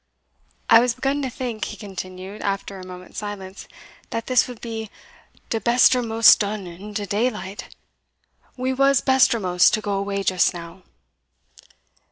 "I was begun to think," he continued, after a moment's silence, "that this would be de bestermost done in de day light we was bestermost to go away just now."